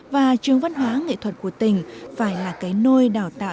và trường văn hóa nghệ thuật của tỉnh phải là cái nôi đào tạo